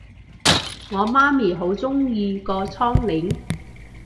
我媽咪好鍾意個窗簾